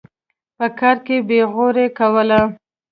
په کار کې بېغوري کوله.